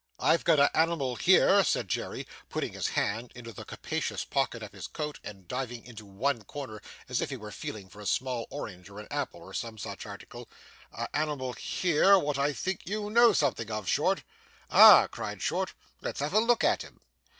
'I've got a animal here,' said Jerry, putting his hand into the capacious pocket of his coat, and diving into one corner as if he were feeling for a small orange or an apple or some such article, 'a animal here, wot I think you know something of, Short.' 'Ah!' cried Short, 'let's have a look at him.